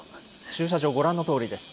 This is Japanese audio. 駐車場、ご覧のとおりです。